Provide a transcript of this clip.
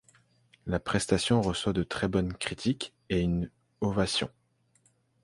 La prestation reçoit de très bonnes critiques et une ovation.